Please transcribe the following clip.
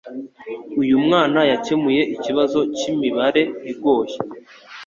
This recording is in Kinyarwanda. Uyu mwana yakemuye ikibazo cyimibare igoye